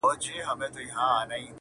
څه کيفيت دی چي حساب چي په لاسونو کي دی,